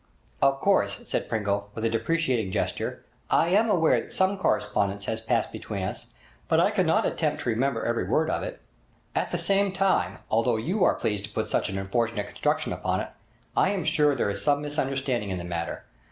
'Of course,' said Pringle, with a deprecating gesture, 'I am aware that some correspondence has passed between us, but I cannot attempt to remember every word of it. At the same time, although you are pleased to put such an unfortunate construction upon it, I am sure there is some misunderstanding in the matter.